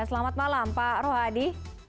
selamat malam pak rohadi